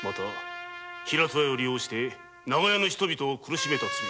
平戸屋を利用して長屋の人々を苦しめた罪。